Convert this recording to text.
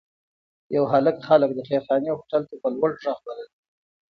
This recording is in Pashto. یو هلک خلک د خیرخانې هوټل ته په لوړ غږ بلل.